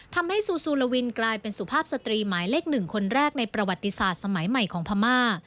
ทำให้ซูซูลาวินกลายเป็นสุภาพสตรีหมายเลข๑คนแรกในประวัติศาสตร์สมัยใหม่ของพม่า